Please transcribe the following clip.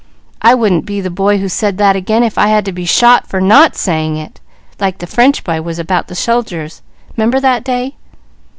I wouldn't be the boy who said that again, if I had to be shot for not saying it, like the French boy was about the soldiers. 'Member that day?"